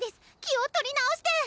気を取り直して！